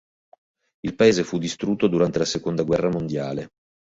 Il paese fu distrutto durante la seconda guerra mondiale.